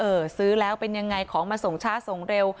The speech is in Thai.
เออซื้อแล้วเป็นยังไงของมันส่งช้าส่งเร็ว